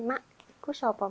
mak aku siapa